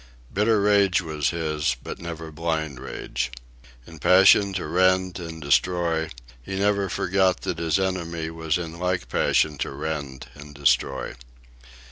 Bitter rage was his, but never blind rage. In passion to rend and destroy, he never forgot that his enemy was in like passion to rend and destroy.